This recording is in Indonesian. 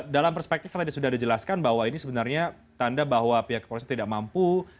dalam perspektif yang tadi sudah dijelaskan bahwa ini sebenarnya tanda bahwa pihak kepolisian tidak mampu